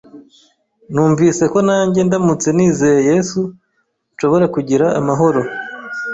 numvise ko nanjye ndamutse nizeye Yesu nshobora kugira amahoro